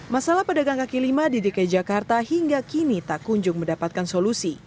masalah pedagang kaki lima di dki jakarta hingga kini tak kunjung mendapatkan solusi